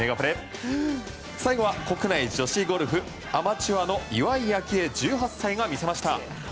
最後は国内女子ゴルフアマチュアの岩井明愛、１８歳が見せました。